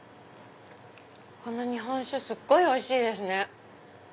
この日本酒すっごいおいしいですね。